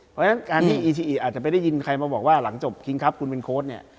เพราะฉะนั้นการที่อีซีอิอาจจะไม่ได้ยินใครมาบอกว่าหลังจบคิงครับคุณเป็นโค้ดเนี่ย